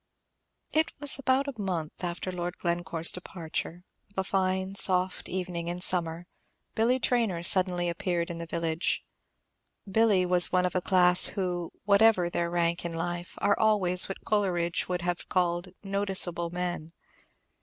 It was about a month after Lord Glencore's departure, of a fine, soft evening in summer, Billy Traynor suddenly appeared in the village. Billy was one of a class who, whatever their rank in life, are always what Coleridge would have called "noticeable men."